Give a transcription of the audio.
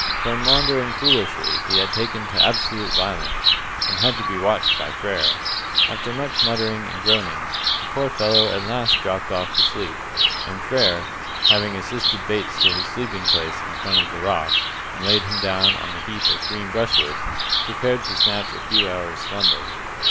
From maundering foolishly he had taken to absolute violence, and had to be watched by Frere. After much muttering and groaning, the poor fellow at last dropped off to sleep, and Frere, having assisted Bates to his sleeping place in front of the rock, and laid him down on a heap of green brushwood, prepared to snatch a few hours' slumber.